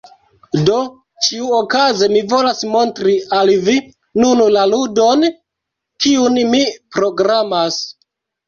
Do ĉiuokaze mi volas montri al vi nun la ludon, kiun mi programas.